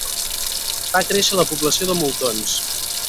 Fa créixer la població de moltons.